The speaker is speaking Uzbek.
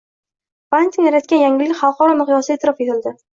Banting yaratgan yangilik xalqaro miqyosda e’tirof etildi